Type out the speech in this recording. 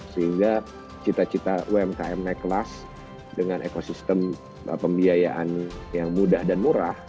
sehingga cita cita umkm naik kelas dengan ekosistem pembiayaan yang mudah dan murah